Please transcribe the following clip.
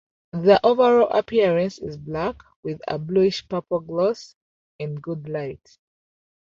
The overall appearance is black with a bluish-purple gloss in good light.